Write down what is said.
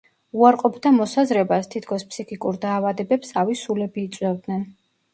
უარყოფდა მოსაზრებას, თითქოს ფსიქიკურ დაავადებებს ავი სულები იწვევდნენ.